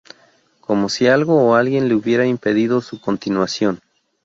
Como si algo o alguien le hubiera impedido su continuación.